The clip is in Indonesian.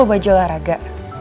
kau baju laraga